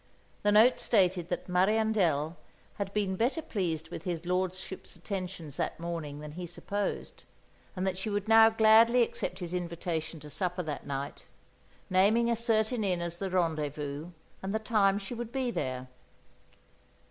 The note stated that "Mariandel" had been better pleased with his lordship's attentions that morning than he supposed, and that she would now gladly accept his invitation to supper that night, naming a certain inn as the rendezvous, and the time she would be there.